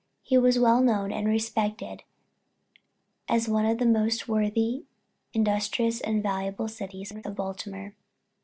He was well known and respected as one of the most worthy, industrious, and valuable of our citizens of Baltimore."